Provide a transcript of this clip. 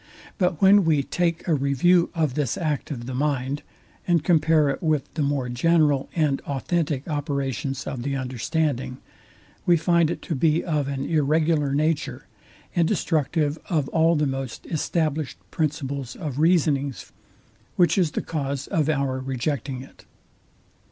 But when we take a review of this act of the mind, and compare it with the more general and authentic operations of the understanding, we find it to be of an irregular nature, and destructive of all the most established principles of reasonings; which is the cause of our rejecting it.